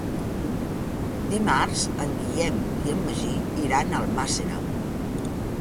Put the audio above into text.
Dimarts en Guillem i en Magí iran a Almàssera.